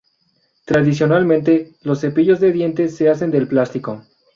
Tradicionalmente, los cepillos de dientes se hacen del plástico.